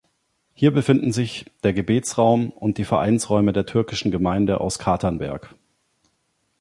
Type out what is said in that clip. Hier befinden sich der Gebetsraum und die Vereinsräume der türkischen Gemeinde aus Katernberg.